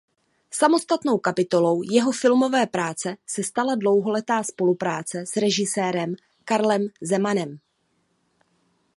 Samostatnou kapitolou jeho filmové práce se stala dlouholetá spolupráce s režisérem Karlem Zemanem.